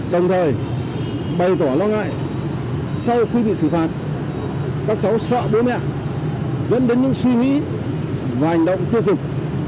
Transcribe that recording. đồng thời bày tỏ lo ngại sau khi bị xử phạt các cháu sợ bố mẹ dẫn đến những suy nghĩ và hành động tiêu cực